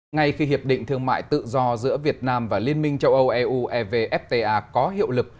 ngay khi hiệp định thương mại tự do giữa việt nam và liên minh châu âu eu evfta có hiệu lực